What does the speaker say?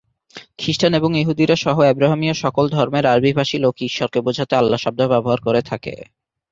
খ্রিস্টান এবং ইহুদিরা সহ আব্রাহামীয় সকল ধর্মের আরবি-ভাষী লোকই, "ঈশ্বর"কে বুঝাতে "আল্লাহ" শব্দ ব্যবহার করে থাকে।